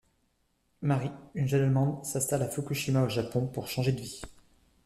Marie, une jeune Allemande, s'installe à Fukushima, au Japon, pour changer de vie.